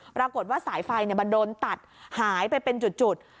ปรากฏว่าสายไฟมันโดนตัดหายไปเป็นจุด